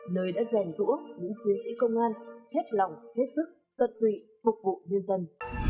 nơi đã giành rũa những chiến sĩ công an hết lòng hết sức tật tùy phục vụ nhân dân